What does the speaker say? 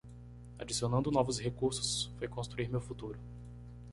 Adicionando novos recursos foi construir meu futuro.